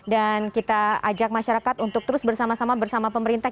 dan kita ajak masyarakat untuk terus bersama sama bersama pemerintah